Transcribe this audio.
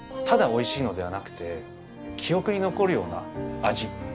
ただおいしいのではなくて記憶に残るような味。